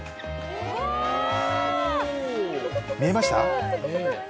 見えました？